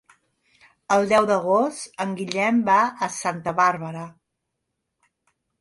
El deu d'agost en Guillem va a Santa Bàrbara.